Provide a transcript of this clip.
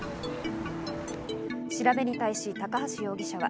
調べに対し、高橋容疑者は。